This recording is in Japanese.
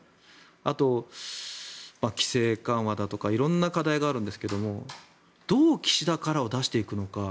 あと、規制緩和だとか色んな課題があるんですけどどう岸田カラーを出していくのか。